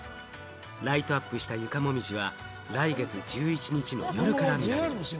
ライトアップした床もみじは来月１１日の夜から見られる。